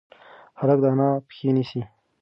هلک د انا پښې نیسي.